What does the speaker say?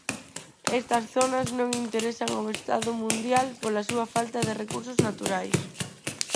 Estas zonas non interesan ao Estado Mundial pola súa falta de recursos naturais.